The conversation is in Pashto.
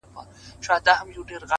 بېغمه غمه د هغې راته راوبهيدې-